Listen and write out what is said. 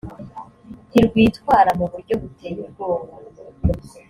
ntirwitwara mu buryo buteye ubwoba